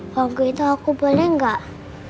pagi itu aku boleh gak